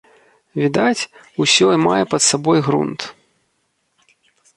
Відаць, усё мае пад сабой грунт.